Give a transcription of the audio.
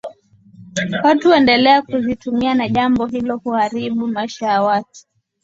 watu huendelea kuzitumia na jambo hilo huharibu maisha ya watu